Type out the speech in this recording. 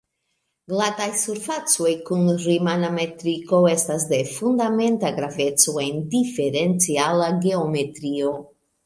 Glataj surfacoj kun rimana metriko estas de fundamenta graveco en diferenciala geometrio.